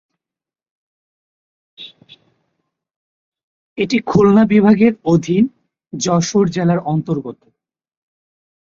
এটি খুলনা বিভাগের অধীন যশোর জেলার অন্তর্গত।